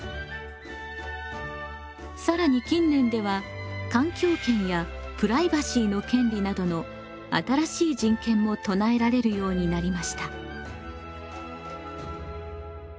更に近年では「環境権」や「プライバシーの権利」などの新しい人権も唱えられるようになりました。